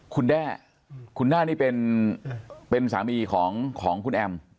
คุณแด้คุณน่านี่เป็นสามีของคุณแอม